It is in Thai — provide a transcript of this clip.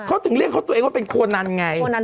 เขาถึงเรียกเขาตัวเองว่าเป็นโคนันไง